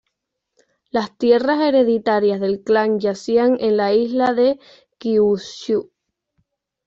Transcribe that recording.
Las tierras hereditarias del clan yacían en la isla de Kyūshū.